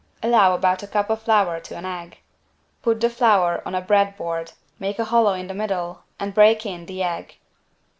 Allow about a cup of flour to an egg. Put the flour on a bread board, make a hollow in the middle and break in the egg.